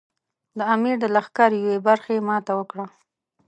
د امیر د لښکر یوې برخې ماته وکړه.